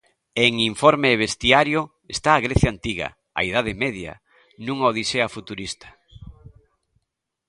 En 'Informe bestiario' está a Grecia antiga, a Idade Media... nunha Odisea futurista.